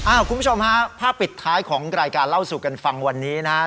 คุณผู้ชมฮะภาพปิดท้ายของรายการเล่าสู่กันฟังวันนี้นะครับ